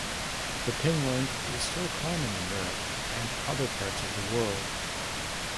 This pin length is still common in Europe and other parts of the world.